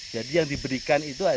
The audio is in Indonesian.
jadi yang diberikan itu